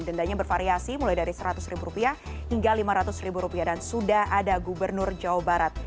dendanya bervariasi mulai dari seratus ribu rupiah hingga lima ratus ribu rupiah dan sudah ada gubernur jawa barat